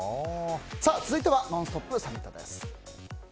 続いてはＮＯＮＳＴＯＰ！サミットです。